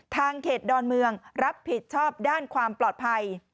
ทางเขตดอนเมืองรับผิดชอบด้านความปลอดภัย